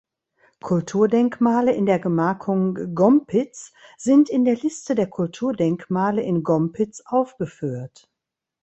Kulturdenkmale in der Gemarkung Gompitz sind in der Liste der Kulturdenkmale in Gompitz aufgeführt.